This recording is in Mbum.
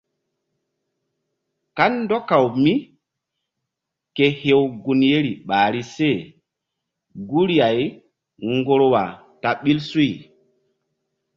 Kandɔkaw míke hew gun yeri ɓahri se guri-ay ŋgorwa ta ɓil suy.